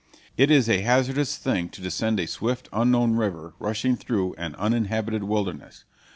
It is a hazardous thing to descend a swift, unknown river rushing through an uninhabited wilderness.